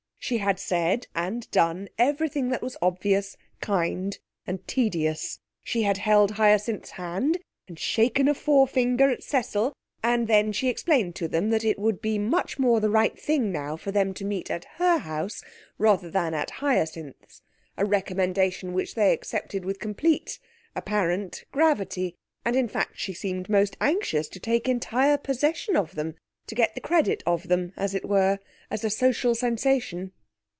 She had said and done everything that was obvious, kind, and tedious. She had held Hyacinth's hand, and shaken a forefinger at Cecil, and then she explained to them that it would be much more the right thing now for them to meet at her house, rather than at Hyacinth's a recommendation which they accepted with complete (apparent) gravity, and in fact she seemed most anxious to take entire possession of them to get the credit of them, as it were, as a social sensation.